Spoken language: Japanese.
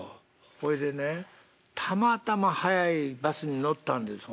「ほいでねたまたま早いバスに乗ったんです。